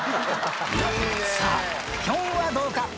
さあ、きょんはどうか。